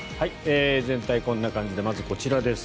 全体、こんな感じでまずこちらです。